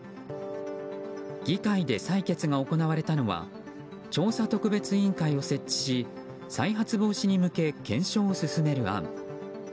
議会で採決が行われたのは調査特別委員会を設置し再発防止に向け検証を進める案。